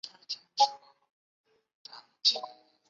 拥有头骨的动物称为有头动物。